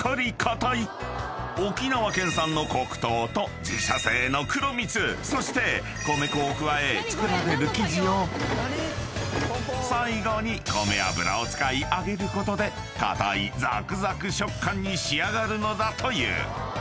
［沖縄県産の黒糖と自社製の黒蜜そして米粉を加え作られる生地を最後に米油を使い揚げることで硬いザクザク食感に仕上がるのだという］